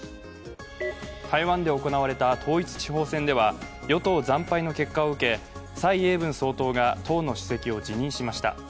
台湾で行われた統一地方選では与党惨敗の結果を受け蔡英文総統が党の主席を辞任しました。